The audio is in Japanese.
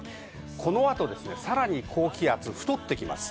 この後ですね、さらに高気圧、太ってきます。